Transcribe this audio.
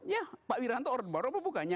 ya pak wiranto orde baru apa bukannya